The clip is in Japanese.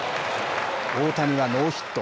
大谷はノーヒット。